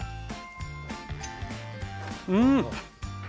うん！